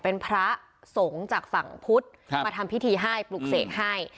เป็นพระสงฆ์จากฝั่งพุทธมาทำพิธีให้ปลุกเสกให้